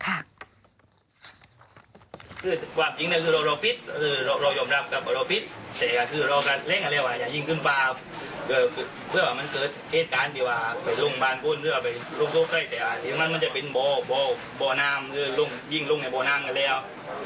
ความจริงคือเรายอมรับกับเราฟิศแต่เราก็เล่นกันแล้วว่าจะยิงขึ้นป่าเพื่อว่ามันเกิดเหตุการณ์ที่ว่าไปลงบานพุ่นหรือว่าไปลงโทษไข้แต่อย่างนั้นมันจะเป็นบ่อน้ำยิงลงในบ่อน้ำกันแล้ว